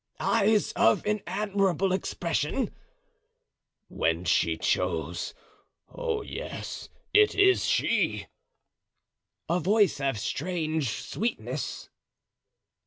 "Eyes of an admirable expression?" "When she chose. Oh, yes, it is she!" "A voice of strange sweetness?"